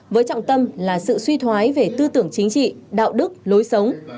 với trọng tâm là sự suy thoái về tư tưởng chính trị đạo đức lối sống